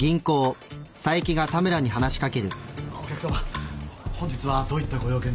お客さま本日はどういったご用件でしょうか？